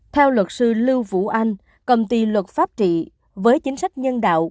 theo luật sư lưu vũ anh công ty luật pháp trị với chính sách nhân đạo